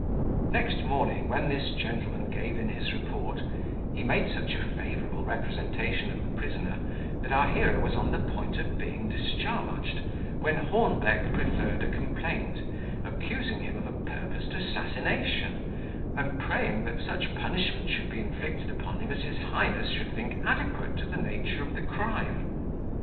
Next morning, when this gentleman gave in his report, he made such a favourable representation of the prisoner, that our hero was on the point of being discharged, when Hornbeck preferred a complaint, accusing him of a purposed assassination, and praying that such punishment should be inflicted upon him as his highness should think adequate to the nature of the crime.